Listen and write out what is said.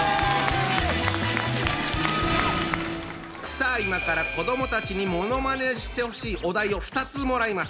さあ今から子どもたちにものまねしてほしいお題を２つもらいます。